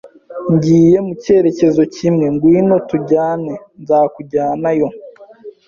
Ngiye mu cyerekezo kimwe. Ngwino tujyane. Nzakujyanayo.